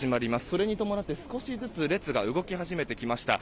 それに伴って少しずつ列が動き始めてきました。